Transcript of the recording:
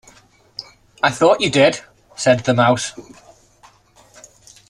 ‘I thought you did,’ said the Mouse.